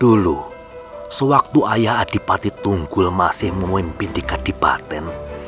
dulu sewaktu ayah adipati tunggul masih memimpin di kadipaten